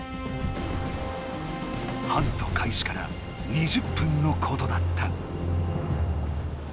ハントかいしから２０分のことだった。